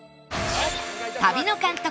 旅の監督